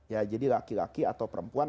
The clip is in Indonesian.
ya jadi laki laki atau perempuan